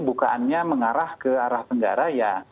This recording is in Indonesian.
bukaannya mengarah ke arah tenggara ya